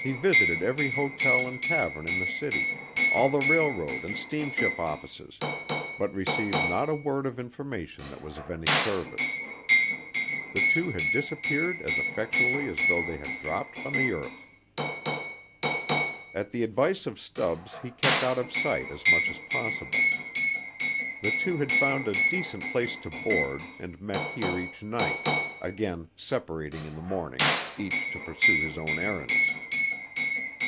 He visited every hotel and tavern in the city, all the railroad and steamship offices, but received not a word of information that was of any service. The two had disappeared as effectually as though they had dropped from the earth. At the advice of Stubbs he kept out of sight as much as possible. The two had found a decent place to board and met here each night, again separating in the morning, each to pursue his own errands.